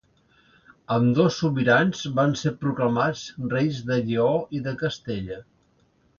Ambdós sobirans van ser proclamats reis de Lleó i de Castella.